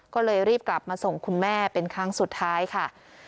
ก็เลยรีบกลับมาส่งคุณแม่เป็นครั้งสุดท้ายค่ะ